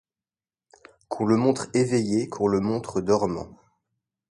Qu’on le montre éveillé, qu’on le montre dormant